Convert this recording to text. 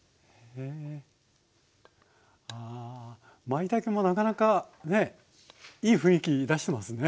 まいたけもなかなかねえいい雰囲気出してますね。